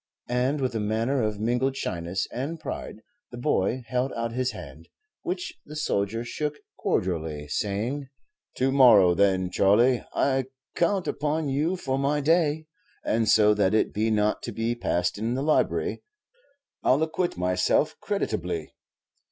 And with a manner of mingled shyness and pride the boy held out his hand, which the soldier shook cordially, saying, "To morrow, then, Charley, I count upon you for my day, and so that it be not to be passed in the library I 'll acquit myself creditably."